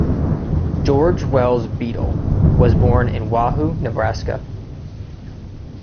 George Wells Beadle was born in Wahoo, Nebraska.